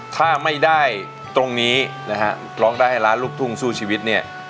ถ้าไม่ได้ตรงนี้นะฮะร้องได้ให้ล้านลูกทุ่งสู้ชีวิตเนี่ย